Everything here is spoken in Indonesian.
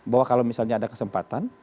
bahwa kalau misalnya ada kesempatan